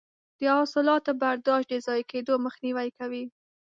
د حاصلاتو برداشت د ضایع کیدو مخنیوی کوي.